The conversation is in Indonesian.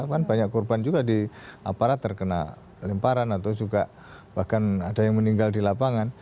kan banyak korban juga di aparat terkena lemparan atau juga bahkan ada yang meninggal di lapangan